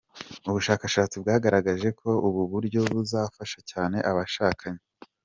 Ubushakashatsi bwagaragaraje ko ubu buryo buzafasha cyane abashakanye.